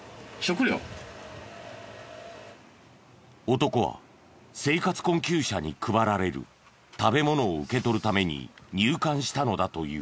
男は生活困窮者に配られる食べ物を受け取るために入館したのだという。